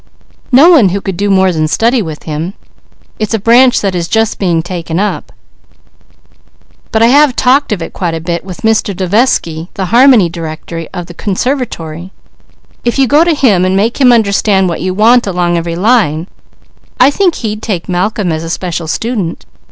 "No one who could do more than study with him. It's a branch that is just being taken up, but I have talked of it quite a bit with Mr. Dovesky, the harmony director of the Conservatory. If you go to him and make him understand what you want along every line, I think he'd take Malcolm as a special student.